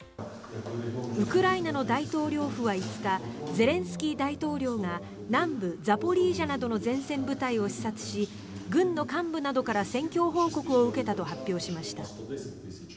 ウクライナの大統領府は５日ゼレンスキー大統領が南部ザポリージャなどの前線部隊を視察し軍の幹部などから戦況報告を受けたと発表しました。